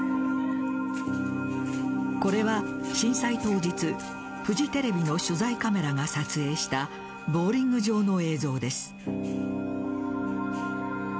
これは震災当日、フジテレビの取材カメラが撮影したボウリング場の映像です。